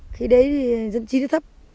khi đấy thì dân trí rất thấp